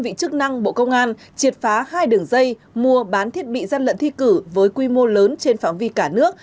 vị chức năng bộ công an triệt phá hai đường dây mua bán thiết bị gian lận thi cử với quy mô lớn trên phạm vi cả nước